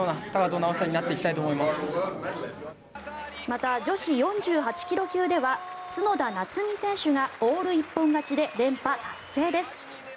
また女子４８ｋｇ級では角田夏実選手がオール一本勝ちで連覇達成です。